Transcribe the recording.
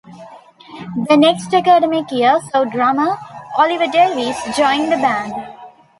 The next academic year saw drummer, Oliver Davies join the band.